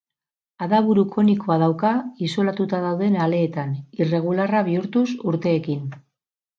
Adaburu konikoa dauka isolatuta dauden aleetan, irregularra bihurtuz urteekin.